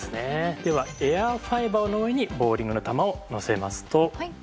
ではエアファイバーの上にボウリングの球を乗せますと。